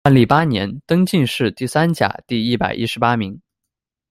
万历八年，登进士第三甲第一百一十八名。